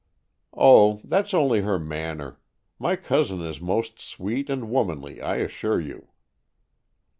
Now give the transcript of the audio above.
"Oh, that's only her manner. My cousin is most sweet and womanly, I assure you."